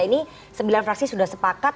ini sembilan fraksi sudah sepakat